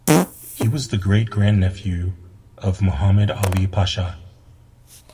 He was the great-grandnephew of Muhammad Ali Pasha.